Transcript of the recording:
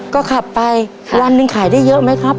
ก็ขับไปวันหนึ่งขายได้เยอะไหมครับ